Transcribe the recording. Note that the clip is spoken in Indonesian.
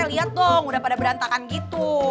lihat dong udah pada berantakan gitu